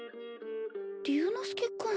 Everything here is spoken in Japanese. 竜之介君。